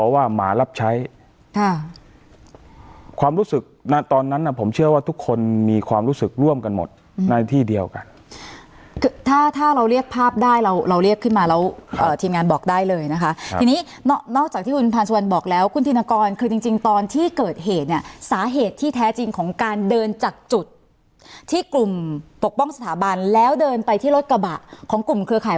หมารับใช้ค่ะความรู้สึกตอนนั้นน่ะผมเชื่อว่าทุกคนมีความรู้สึกร่วมกันหมดในที่เดียวกันคือถ้าถ้าเราเรียกภาพได้เราเราเรียกขึ้นมาแล้วทีมงานบอกได้เลยนะคะทีนี้นอกจากที่คุณพานสุวรรณบอกแล้วคุณธินกรคือจริงตอนที่เกิดเหตุเนี่ยสาเหตุที่แท้จริงของการเดินจากจุดที่กลุ่มปกป้องสถาบันแล้วเดินไปที่รถกระบะของกลุ่มเครือข่าย